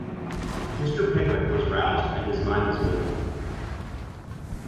Mr. Pickwick was roused, and his mind was made up.